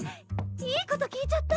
いいこと聞いちゃった！